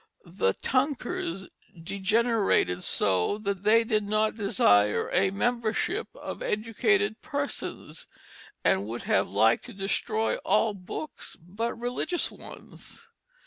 The Tunkers degenerated so that they did not desire a membership of educated persons, and would have liked to destroy all books but religious ones.